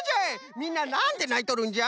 みんななんでないとるんじゃ？